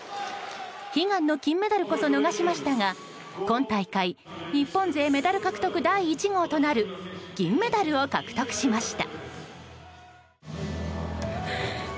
悲願の金メダルこそ逃しましたが今大会日本勢メダル獲得第１号となる銀メダルを獲得しました。